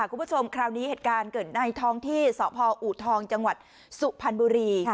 คุณผู้ชมคราวนี้เหตุการณ์เกิดในท้องที่สพอูทองจังหวัดสุพรรณบุรี